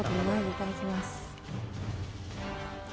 いただきます。